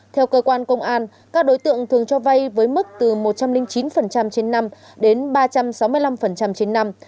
theo cơ quan công an các đối tượng thường cho vay với mức từ một trăm linh chín trên năm đến ba trăm sáu mươi năm trên năm